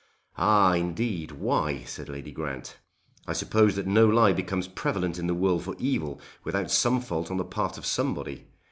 "Ah indeed; why?" said Lady Grant. "I suppose that no lie becomes prevalent in the world for evil without some fault on the part of somebody.